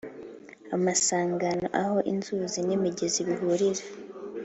amasangano: aho inzuzi n’imigezi bihurira